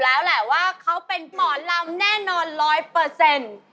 แล้วแหละว่าเขาเป็นหมอลำแน่นอนร้อยเปอร์เซ็นต์